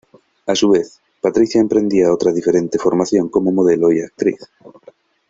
A su vez, Patricia emprendía otra diferente formación como modelo y actriz.